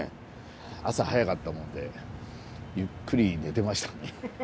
朝早かったもんでゆっくり寝てました。